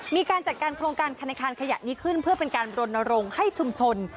มีการจัดการโครงการธนาคารขยะนี้ขึ้นเพื่อเป็นการรณรงค์ให้ชุมชน